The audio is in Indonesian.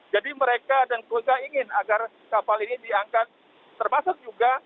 jadi mereka dan keluarga ingin agar kapal ini diangkat termasuk juga